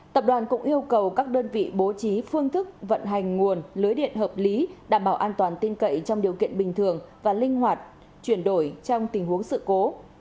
tập đoàn cũng yêu cầu các đơn vị bố trí phương thức vận hành nguồn lưới điện hợp lý đảm bảo an toàn tin cậy trong điều kiện bình thường và linh hoạt chuyển đổi trong tình huống sự cố